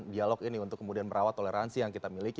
dialog ini untuk kemudian merawat toleransi yang kita miliki